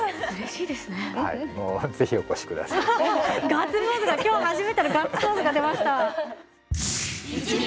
ガッツポーズが今日初めてのガッツポーズが出ました。